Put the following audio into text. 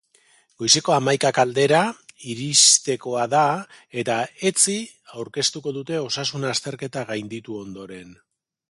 Goizeko hamaikak aldera iristekoa da eta etzi aurkeztuko dute osasun azterketa gainditu ondoren.